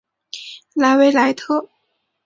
莱维莱特。